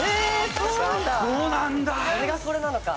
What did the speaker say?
それがこれなのか。